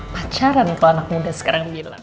pacaran tuh anak muda sekarang bilang